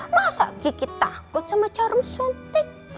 masa gigit takut sama jarum suntik